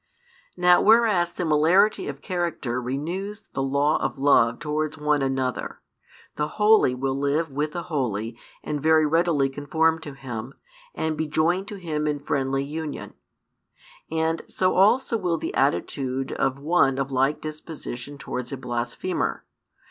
Now whereas similarity of character renews the law of love towards one another, the holy will live with the holy and very readily conform to him, and be joined to him in friendly union. And so also will be the attitude of one of like disposition towards a blasphemer.